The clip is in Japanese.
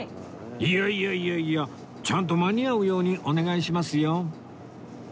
いやいやいやいやちゃんと間に合うようにお願いしますよ